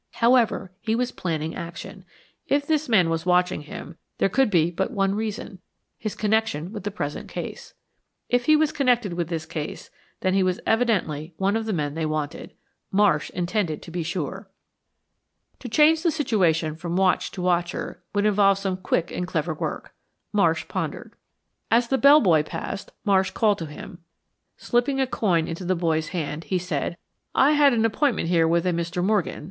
However, he was planning action. If this man was watching him there could be but one reason his connection with the present case. If he was connected with this case then he was evidently one of the men they wanted. Marsh intended to be sure. To change the situation from watched to watcher would involve some quick and clever work. Marsh pondered. As the bell boy passed Marsh called to him, Slipping a coin into the boy's hand, he said, "I had an appointment here with a Mr. Morgan.